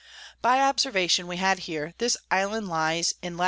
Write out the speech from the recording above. _] By Observation we had here, this Island lies in Lat.